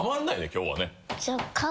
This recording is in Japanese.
今日はね。